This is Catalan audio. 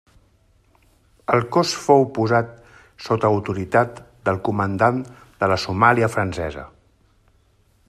El cos fou posat sota autoritat del comandant de la Somàlia Francesa.